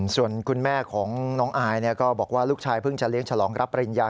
ส่วนคุณแม่ของน้องอายก็บอกว่าลูกชายเพิ่งจะเลี้ยฉลองรับปริญญา